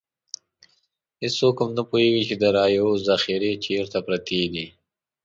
هېڅوک هم نه پوهېږي چې د رایو ذخیرې چېرته پرتې دي.